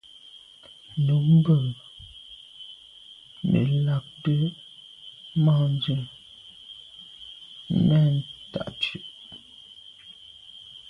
Nǔmmbə̂ nə làʼdə̌ mα̂nzə mɛ̀n tâ Dʉ̌’.